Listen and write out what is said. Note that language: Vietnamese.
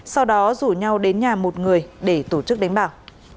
sau đó rủ nhau đến nhà một người để tổ chức đánh bạc